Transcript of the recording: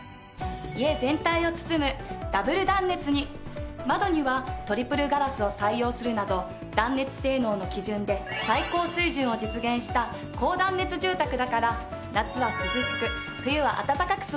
家全体を包むダブル断熱に窓にはトリプルガラスを採用するなど断熱性能の基準で最高水準を実現した高断熱住宅だから夏は涼しく冬は暖かく過ごせるの。